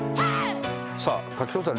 さあ滝藤さん